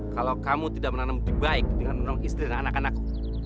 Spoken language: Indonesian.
kalau kamu tidak menanam lebih baik dengan menanam istri dan anak anakku